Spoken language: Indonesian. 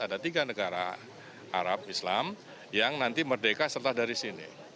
ada tiga negara arab islam yang nanti merdeka serta dari sini